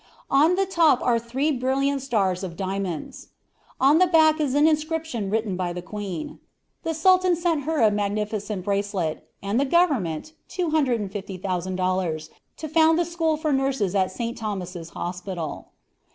On the top are three brilliant stars of diamonds. On the back is an inscription written by the Queen. The Sultan sent her a magnificent bracelet, and the government, $250,000, to found the school for nurses at St. Thomas' Hospital.